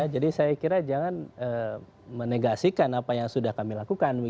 jadi saya kira jangan menegasikan apa yang sudah kami lakukan